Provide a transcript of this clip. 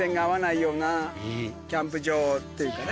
キャンプ場っていうかね。